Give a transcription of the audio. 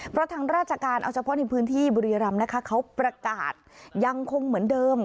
เพราะทางราชการเอาเฉพาะในพื้นที่บุรีรำนะคะเขาประกาศยังคงเหมือนเดิม